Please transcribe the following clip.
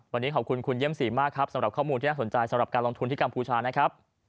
วันนี้ขอบคุณคุณเยี่ยมสีมากครับสำหรับข้อมูลที่น่าสนใจสำหรับการลงทุนที่กัมพูชานะครับ